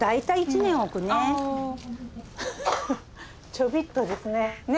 ちょびっとですね。